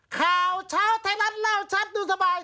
ข่าวเช้าไทยรัฐเล่าชัดดูสบาย